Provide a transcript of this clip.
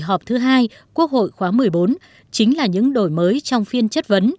kỳ họp thứ hai quốc hội khóa một mươi bốn chính là những đổi mới trong phiên chất vấn